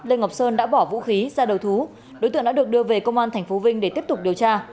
lê ngọc sơn đã bỏ vũ khí ra đầu thú đối tượng đã được đưa về công an tp vinh để tiếp tục điều tra